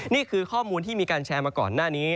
นี่คือข้อมูลที่มีการแชร์มาก่อนหน้านี้